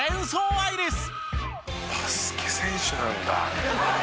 「バスケ選手なんだ」